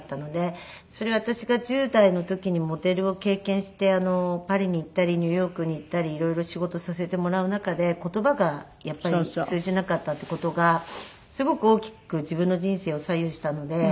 それは私が１０代の時にモデルを経験してパリに行ったりニューヨークに行ったり色々仕事させてもらう中で言葉がやっぱり通じなかったっていう事がすごく大きく自分の人生を左右したので。